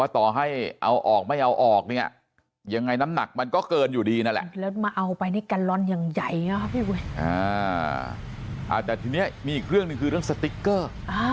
แต่ทีนี้มีอีกเรื่องหนึ่งคือเรื่องสติ๊กเกอร์